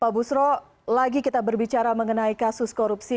pak busro lagi kita berbicara mengenai kasus korupsi